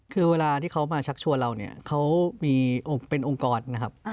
คือเวลาที่เขามาชักชวนเราเนี่ยเขามีองค์เป็นองค์กรนะครับ